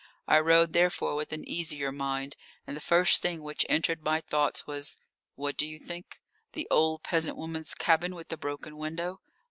I rode therefore with an easier mind, and the first thing which entered my thoughts was what do you think? The old peasant woman's cabin with the broken window?